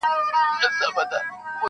په نوراني غېږ کي دي مه لویوه-